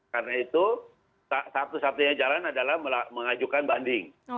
karena itu satu satunya jalan adalah mengajukan banding